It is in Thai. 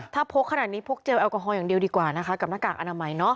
ถ้าพกขนาดนี้พกเจลแอลกอฮอลอย่างเดียวดีกว่านะคะกับหน้ากากอนามัยเนาะ